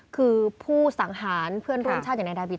คือผู้สังหารเพื่อนร่วมชาติอย่างนายดาบิท